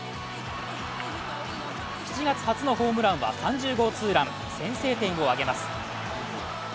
７月初のホームランは３０号ツーラン先制点を挙げます。